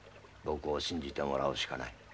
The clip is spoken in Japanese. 僕を信じてもらうしかない。